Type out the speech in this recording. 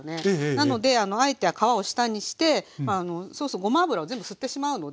なのであえて皮を下にしてそうそうごま油を全部吸ってしまうので。